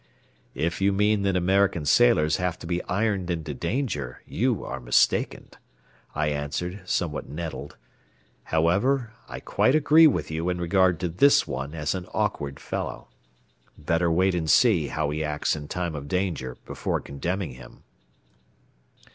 "If you mean that American sailors have to be ironed into danger, you are mistaken," I answered, somewhat nettled. "However, I quite agree with you in regard to this one as an awkward fellow. Better wait and see how he acts in time of danger before condemning him."